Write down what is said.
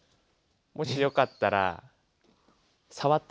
もしよかったらえっ？